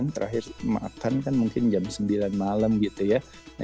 terakhir makan kan mungkin jam sembilan malam gitu ya